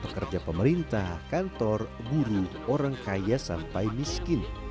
pekerja pemerintah kantor guru orang kaya sampai miskin